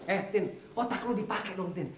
eh tin otak lu dipakai dong tin